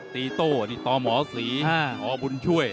ตีโต้ตอหมอศรีหมอบุญช่วย